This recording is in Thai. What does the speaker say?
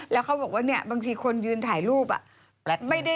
แล้วเขาบอกว่าเนี่ยบางทีคนยืนถ่ายรูป